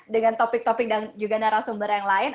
dengan topik topik dan juga narasumber yang lain